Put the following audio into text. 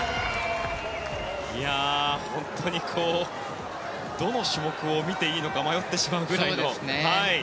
本当にどの種目を見ていいのか迷ってしまうぐらいの。